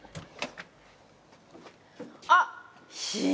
あっ！